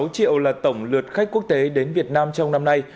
một mươi hai sáu triệu là tổng lượt khách quốc tế đến việt nam trong năm nay